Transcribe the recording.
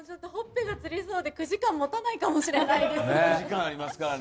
ほっぺがつりそうで９時間もたないかもしれないです。